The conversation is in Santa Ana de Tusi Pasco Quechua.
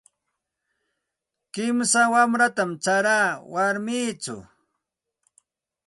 Kimsa wanratam charaa warmichaw.